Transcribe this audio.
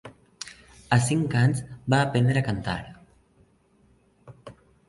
A cinc anys va aprendre a cantar